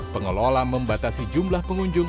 pengelola membatasi jumlah pengunjung